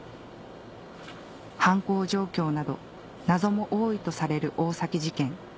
犯行状況など謎も多いとされる大崎事件